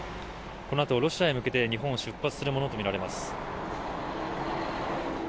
このあとロシアに向けて、日本を出発するものとみられます。